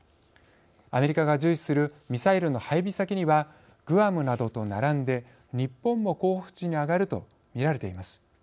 アメリカが重視するミサイルの配備先にはグアムなどと並んで日本も候補地に挙がるとみられています。